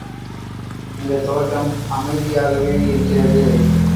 இந்தத் தோட்டம் அமைதியாகவேயிருக்கிறது.